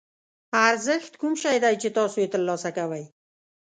ارزښت کوم شی دی چې تاسو یې ترلاسه کوئ.